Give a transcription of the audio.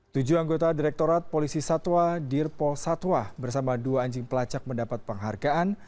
tujuh anggota direktorat polisi satwa dirpol satwa bersama dua anjing pelacak mendapat penghargaan